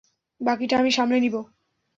বাকিটা আমি সামলে নিবো।